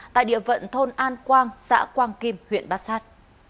tại địa phận thôn an quang xã quang kim huyện bát sát